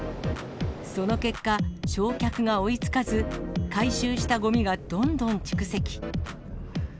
その結果、焼却が追いつかず、回収したごみがどんどん蓄積。